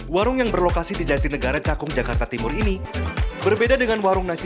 warung yang berlokasi di jatinegara cakung jakarta timur ini berbeda dengan warung nasi